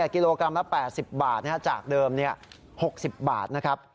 กิโลกรัมละ๘๐บาทจากเดิม๖๐บาทนะครับ